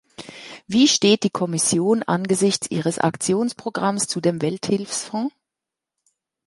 Wie steht die Kommission angesichts ihres Aktionsprogramms zu dem Welthilfsfonds?